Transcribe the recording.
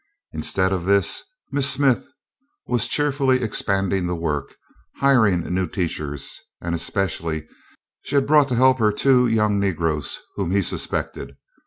Instead of this, Miss Smith was cheerfully expanding the work, hiring new teachers, and especially she had brought to help her two young Negroes whom he suspected.